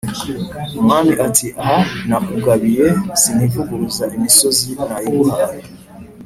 umwami ati"aha nakugabiye sinivuguruza imisozi nayiguhaye